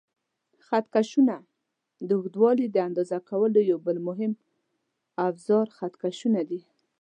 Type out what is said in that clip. خط کشونه: د اوږدوالي د اندازه کولو یو بل مهم اوزار خط کشونه دي.